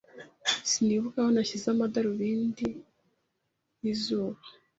Sinibuka aho nashyize amadarubindi yizuba.